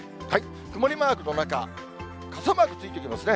曇りマークの中、傘マークついてきますね。